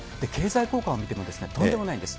経済効果を見ても、とんでもないんです。